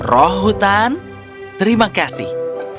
roh hutan terima kasih